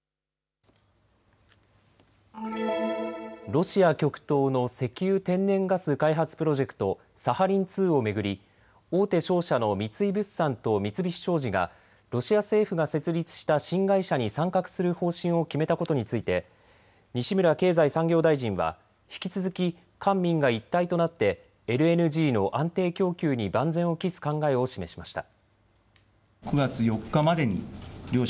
ロシア極東の石油・天然ガス開発プロジェクト、サハリン２を巡り大手商社の三井物産と三菱商事がロシア政府が設立した新会社に参画する方針を決めたことについて西村経済産業大臣は引き続き官民が一体となってＬＮＧの安定供給に万全を期す考えを示しました。